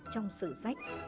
trong sự sách